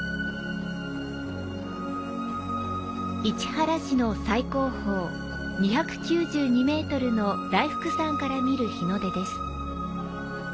市原市の最高峰２９２ｍの大福山から見る日の出です。